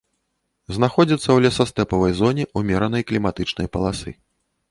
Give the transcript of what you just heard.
Знаходзіцца ў лесастэпавай зоне ўмеранай кліматычнай паласы.